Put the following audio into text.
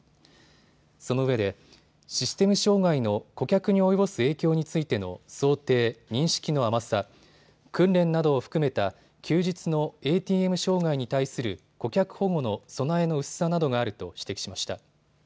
そのうえでシステム障害の顧客に及ぼす影響についての想定・認識の甘さ、訓練などを含めた休日のＡＴＭ障害に対する、顧客保護の備えの薄さなどがあると指摘しました。